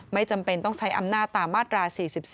ไม่จำเป็นต้องใช้อำนาจตามมาตรา๔๔